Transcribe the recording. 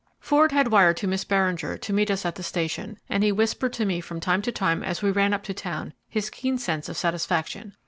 Ford had wired to Miss Beringer to meet us at the station, and he whispered to me from time to time as we ran up to town his keen sense of satisfaction.